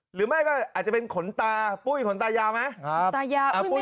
หรือไม่ก็อาจจะเป็นขนตาปุ้ยขนตายาวไหม